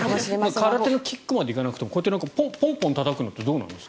空手のキックまでいかなくてもポンポンたたくのってどうなんですか。